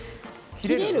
切れる？